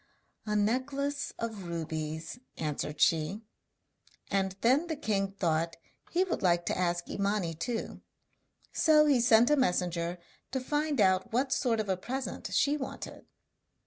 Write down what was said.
'A necklace of rubies,' answered she. And then the king thought he would like to ask Imani too; so he sent a messenger to find out what sort of a present she wanted.